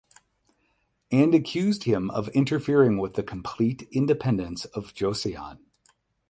And accused him of interfering with the complete independence of Joseon.